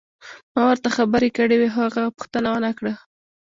ما ورته خبرې کړې وې خو هغه پوښتنه ونه کړه.